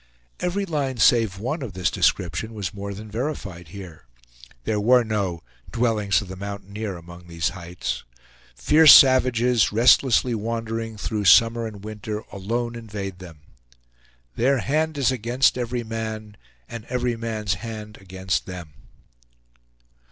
Every line save one of this description was more than verified here. There were no "dwellings of the mountaineer" among these heights. Fierce savages, restlessly wandering through summer and winter, alone invade them. "Their hand is against every man, and every man's hand against them."